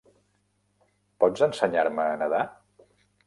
Pots ensenyar-me a nadar?